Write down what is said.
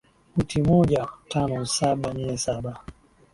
uti moja tano saba nne saba